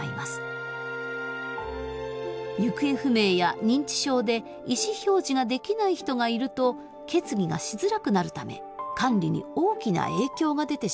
行方不明や認知症で意思表示ができない人がいると決議がしづらくなるため管理に大きな影響が出てしまいます。